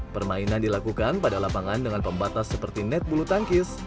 permainan dilakukan pada lapangan dengan pembatas seperti net bulu tangkis